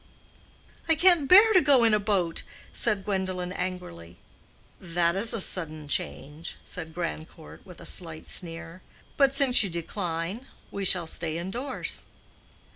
"I can't bear to go in a boat," said Gwendolen, angrily. "That is a sudden change," said Grandcourt, with a slight sneer. "But, since you decline, we shall stay indoors."